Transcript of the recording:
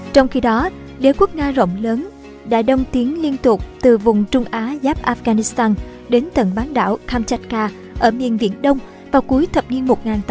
trong khi đó đế quốc nga rộng lớn đại đông tiến liên tục từ vùng trung á giáp afghanistan đến tầng bán đảo kamchatka ở miền viện đông vào cuối thập niên một nghìn tám trăm chín mươi